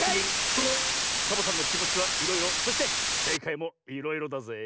サボさんのきもちはいろいろそしてせいかいもいろいろだぜえ。